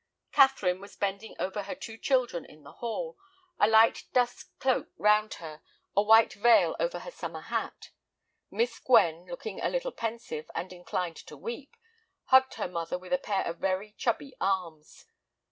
Catherine was bending over her two children in the hall, a light dust cloak round her, a white veil over her summer hat. Miss Gwen, looking a little pensive and inclined to weep, hugged her mother with a pair of very chubby arms.